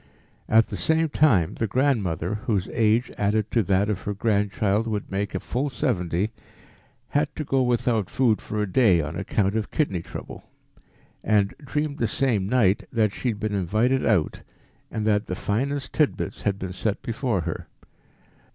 At the same time, the grandmother, whose age added to that of her grandchild would make a full seventy, had to go without food for a day on account of kidney trouble, and dreamed the same night that she had been invited out and that the finest tid bits had been set before her.